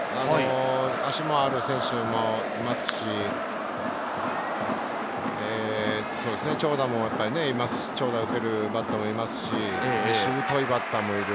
足のある選手もいますし、長打を打てるバッターもいますし、しぶといバッターもいる。